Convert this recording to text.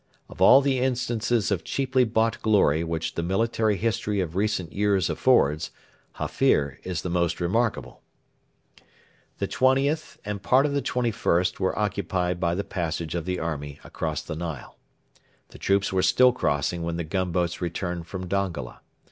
Of all the instances of cheaply bought glory which the military history of recent years affords, Hafir is the most remarkable. The 20th and part of the 21st were occupied by the passage of the army across the Nile. The troops were still crossing when the gunboats returned from Dongola.